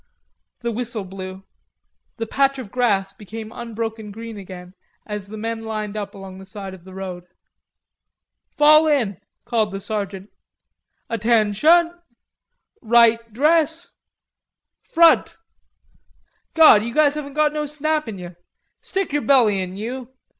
The whistle blew. The patch of grass became unbroken green again as the men lined up along the side of the road. "Fall in!" called the Sergeant. "Atten shun!" "Right dress!" "Front! God, you guys haven't got no snap in yer.... Stick yer belly in, you.